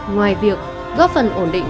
ngoài việc góp phần ổn định